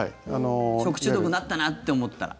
食中毒になったなって思ったら。